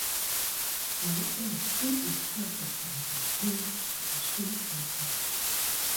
By air, it is served by the Haines Junction Airport.